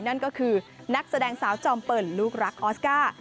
นั่นก็คือนักแสดงสาวจอมเปิ่นลูกรักออสการ์